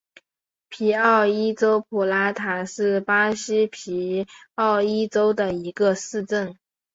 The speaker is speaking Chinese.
皮奥伊州普拉塔是巴西皮奥伊州的一个市镇。